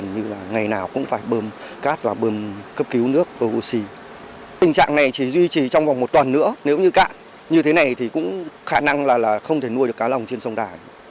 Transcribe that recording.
như thế này thì cũng khả năng là không thể nuôi được cá lồng trên sông đà